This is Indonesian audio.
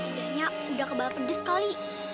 kayaknya udah kebal pedes kali